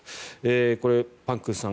これ、パックンさん